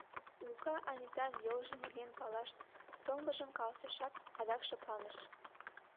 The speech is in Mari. Лука Анитан йолжо нерген палаш толмыжым каласышат, адак шыпланыш.